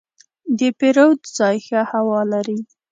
د پیرود ځای ښه هوا لري.